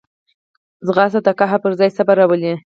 منډه د قهر پر ځای صبر راولي